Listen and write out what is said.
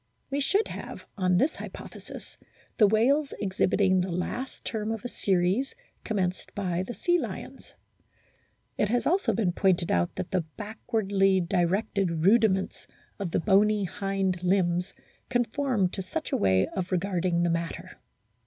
We should have on this hypothesis the whales exhibiting the last term of a series commenced by the sea lions. It has been also pointed out that the backwardly directed rudiments of the bony hind limbs conform to such a way of regarding the matter.